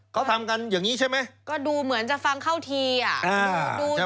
เขาทำกันอย่างนี้ใช่ไหมก็ดูเหมือนจะฟังเข้าทีอ่ะ